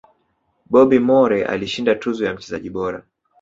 bobby Moore alishinda tuzo ya mchezaji bora